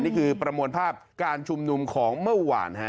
ประมวลภาพการชุมนุมของเมื่อวาน